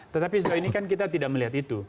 tetapi sejauh ini kan kita tidak melihat itu